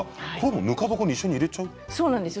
ぬか床に一緒に入れちゃうんですか？